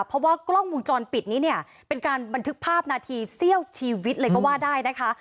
เพราะว่ากล้องวงจรปิดนี้เนี่ยเป็นการบันทึกภาพนาทีเซี่ยวชีวิตเลยก็ว่าได้นะคะ